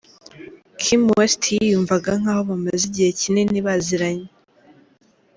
Kim West yiyumvaga nkaho bamaze igihe kinini baziranye.